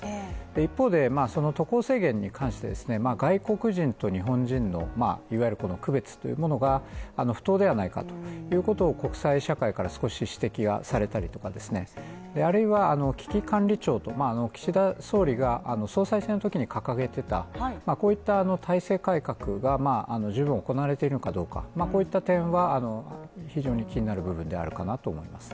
一方でその渡航制限に関して外国人と日本人のいわゆるこの区別というものが不当ではないかということを国際社会から少し指摘がされたりとかあるいは危機管理庁と岸田総理が総裁選のときに掲げてたこういった体制改革が十分行われているかどうかこういった点は非常に気になる部分であるかなと思います。